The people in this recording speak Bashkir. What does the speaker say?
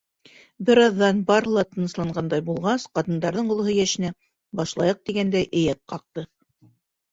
Бер аҙҙан, барыһы ла тынысланғандай булғас, ҡатындарҙың олоһо йәшенә «башлайыҡ» тигәндәй эйәк ҡаҡты.